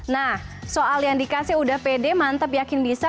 nah soal yang dikasih udah pede mantep yakin bisa